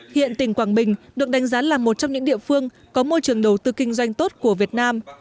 hiện tỉnh quảng bình được đánh giá là một trong những địa phương có môi trường đầu tư kinh doanh tốt của việt nam